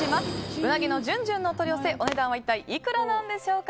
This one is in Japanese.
うなぎのじゅんじゅんのお取り寄せ、お値段は一体いくらなんでしょか。